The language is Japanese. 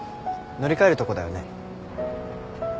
乗り換えるとこだよね？